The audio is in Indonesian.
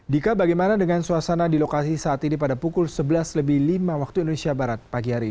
dika bagaimana dengan suasana di lokasi saat ini pada pukul sebelas lebih lima waktu indonesia barat pagi hari ini